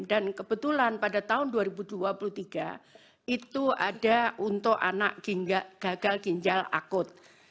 dan kebetulan pada tahun dua ribu dua puluh tiga itu ada untuk anak gagal ginjal akut